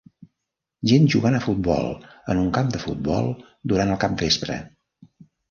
Gent jugant a futbol en un camp de futbol durant el capvespre.